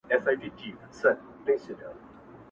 د ورځي سور وي رسوایي پکښي,